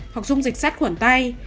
hoặc dùng dịch sát khuẩn tay